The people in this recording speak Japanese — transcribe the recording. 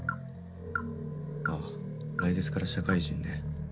「あぁ来月から社会人ね」